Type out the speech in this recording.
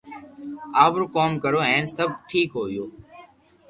آپرو ڪوم ڪريو ھين سب ٺيڪ ھويو